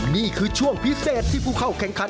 นี่คือช่วงพิเศษที่ผู้เข้าแข่งขัน